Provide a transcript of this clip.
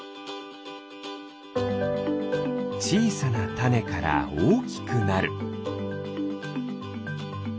ちいさなたねからおおきくなる。